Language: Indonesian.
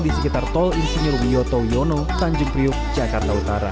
di sekitar tol insinyur wiyoto yono tanjung priuk jakarta utara